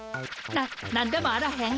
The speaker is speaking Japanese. な何でもあらへん。